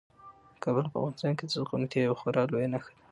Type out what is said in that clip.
کابل په افغانستان کې د زرغونتیا یوه خورا لویه نښه ده.